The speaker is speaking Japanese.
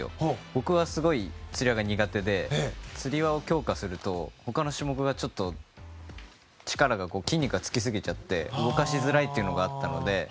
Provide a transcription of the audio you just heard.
僕はすごいつり輪が苦手でつり輪を強化するとほかの種目がちょっと力が筋肉がつきすぎちゃって動かしづらいというのがあったので。